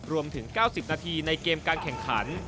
รวมถึง๙๐นาทีในเกมการแข่งขัน